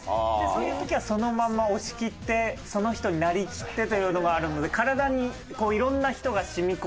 そういう時はそのまま押し切ってその人になりきってというのがあるので体にこういろんな人が染み込んでるので。